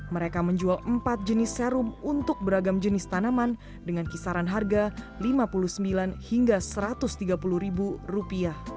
mereka menjual empat jenis serum untuk beragam jenis tanaman dengan kisaran harga rp lima puluh sembilan hingga rp satu ratus tiga puluh